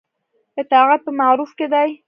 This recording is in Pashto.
اطاعت په معروف کې دی